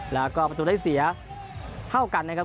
แล้วก็ประตูได้เสียเท่ากันนะครับ